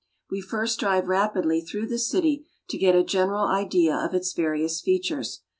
We first drive rapidly through the city to get a general idea of its various features.